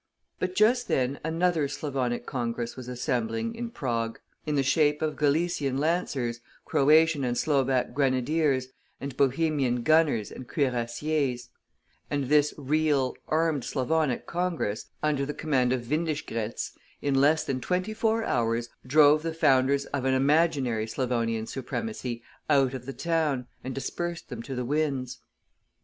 But just then another Slavonic Congress was assembling in Prague, in the shape of Galician lancers, Croatian and Slovak grenadiers, and Bohemian gunners and cuirassiers; and this real, armed Slavonic Congress, under the command of Windischgrätz, in less than twenty four hours drove the founders of an imaginary Slavonian supremacy out of the town, and dispersed them to the winds.